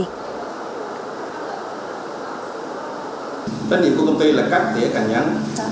trách nhiệm của công ty là cắt tỉa cành nhắn